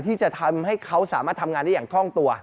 ที่จะทำให้เขาสามารถทำงานได้อย่างคล่องตัว